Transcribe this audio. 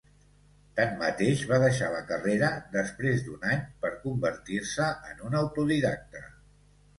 Tanmateix, va deixar la carrera després d'un any, per convertir-se en un autodidacte.